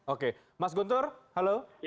oke mas guntur halo